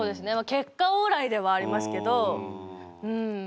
結果オーライではありますけどうん。